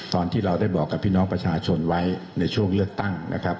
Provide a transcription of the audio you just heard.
ตอนที่เราได้บอกกับพี่น้องประชาชนไว้ในช่วงเลือกตั้งนะครับ